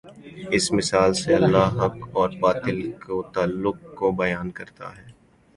اسی مثال سے اللہ حق اور باطل کے تعلق کو بیان کرتا ہے۔